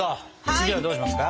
次はどうしますか？